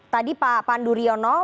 tadi pak pandu riono